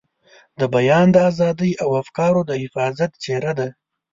د بیان د ازادۍ او افکارو د حفاظت څېره ده.